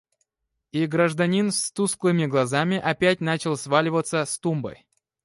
И гражданин с тусклыми глазами опять начал сваливаться с тумбы.